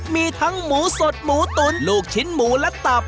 มีทั้งหมูสดหมูตุ๋นลูกชิ้นหมูและตับ